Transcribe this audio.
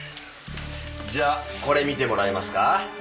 じゃあこれ見てもらえますか？